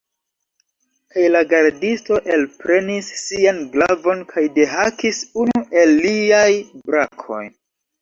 Kaj la gardisto elprenis sian glavon kaj dehakis unu el liaj brakoj.